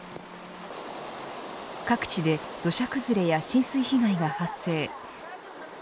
各地で土砂崩れや浸水被害が発生。